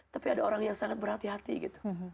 tapi ada orang yang sangat berhati hati gitu